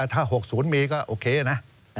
ถ้า๖๐มีก็โอเคนะ